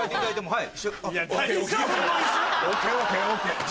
はい。